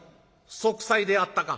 息災であったか？」。